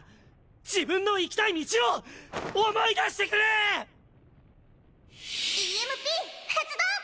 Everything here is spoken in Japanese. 自分の生きたい道を思い出してくれ‼ＥＭＰ発動！